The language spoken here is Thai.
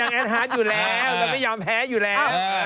แอดฮาร์ดอยู่แล้วเราไม่ยอมแพ้อยู่แล้ว